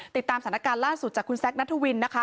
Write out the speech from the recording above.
ติดตามสถานการณ์ล่าสุดจากคุณแซคนัทวินนะคะ